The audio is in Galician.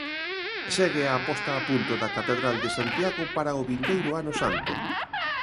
Segue a posta a punto da catedral de Santiago para o vindeiro Ano Santo.